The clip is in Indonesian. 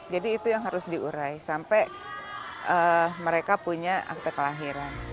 jadi itu yang harus diurai sampai mereka punya akta kelahiran